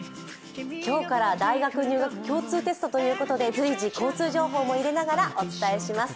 今日から大学入学共通テストということで、随時、交通情報も入れながらお伝えします。